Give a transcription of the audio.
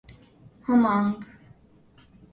ہمانگ